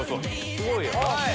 すごいやん。